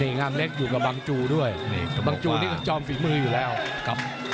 สนัยงามเล็กอยู่กับบางจูด้วยบางจูนี่ก็จอมฝีคมืออยู่แล้วครับ